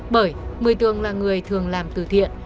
bởi một mươi tường là người thường làm từ thiện